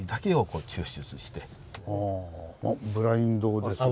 ブラインドですよね。